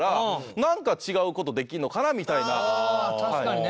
確かにね。